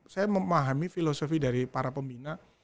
saya memahami filosofi dari para pembina